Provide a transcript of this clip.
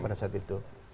pada saat itu